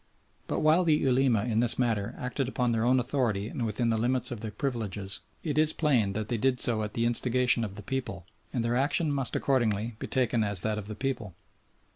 But while the Ulema in this matter acted upon their own authority and within the limits of their privileges, it is plain that they did so at the instigation of the people, and their action must accordingly be taken as that of the people.